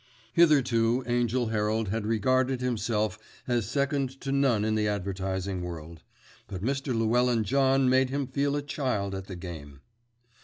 Hitherto Angell Herald had regarded himself as second to none in the advertising world; but Mr. Llewellyn John made him feel a child at the game.